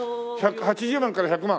８０万から１００万？